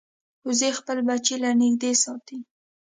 وزې خپل بچي له نږدې ساتي